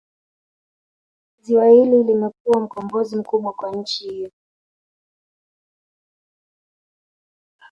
Ziwa hili limekuwa mkombozi mkubwa kwa nchi hiyo